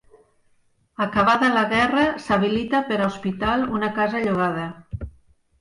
Acabada la guerra, s'habilita per a hospital una casa llogada.